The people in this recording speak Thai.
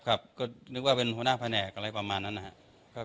ครับก็นึกว่าเป็นหัวหน้าแผนกอะไรประมาณนั้นนะครับ